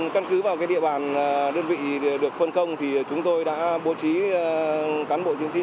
căn cứ vào địa bàn đơn vị được phân công thì chúng tôi đã bố trí cán bộ chiến sĩ